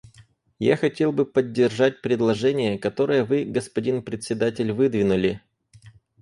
Я хотел бы поддержать предложение, которое Вы, господин Председатель, выдвинули.